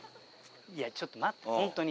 いやちょっと待ってほんとに。